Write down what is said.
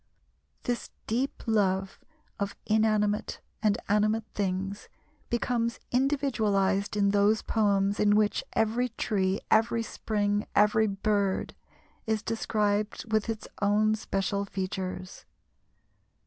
This deep love of inanimate and animate things becomes individualized in those poems in which every tree, every spring, every bird is described with its own special features.